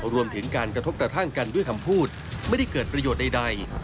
รวมถึงการกระทบกระทั่งกันด้วยคำพูดไม่ได้เกิดประโยชน์ใด